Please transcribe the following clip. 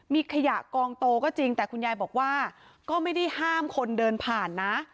มีขยะกองโตก็จริงแต่คุณยายบอกว่าก็ไม่ได้ห้ามคนเดินผ่านนะ